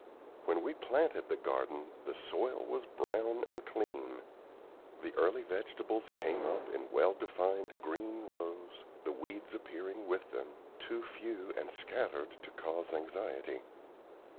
When we planted the garden, the soil was brown and clean. The early vegetables came up in well defined green rows, the weeds appearing with them, too few and scattered to cause anxiety.